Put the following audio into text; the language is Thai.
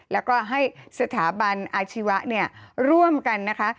แล้วก็ให้สถาบันอาชีวะร่วมกันนะคะ